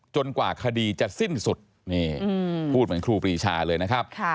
กว่าคดีจะสิ้นสุดนี่พูดเหมือนครูปรีชาเลยนะครับ